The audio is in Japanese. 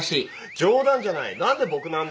冗談じゃない何で僕なんだ！